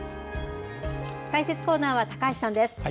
解説コーナーは高橋さんです。